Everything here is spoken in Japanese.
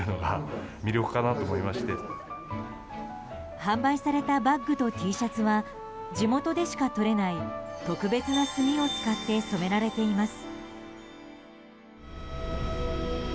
販売されたバッグとＴシャツは地元でしか取れない特別な炭を使って染められています。